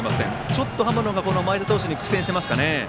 ちょっと浜野が前田投手に苦戦していますかね。